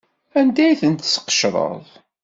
Anda ay tent-tesqecreḍ?